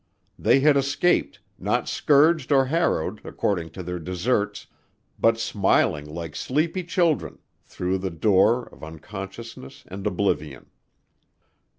They had escaped, not scourged or harrowed according to their deserts, but smiling like sleepy children, through the door of unconsciousness and oblivion.